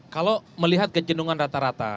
kalau melihat kejenuhan rata rata